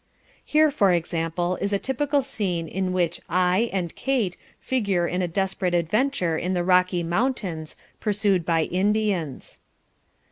Here, for example, is a typical scene in which "I" and Kate figure in a desperate adventure in the Rocky Mountains, pursued by Indians.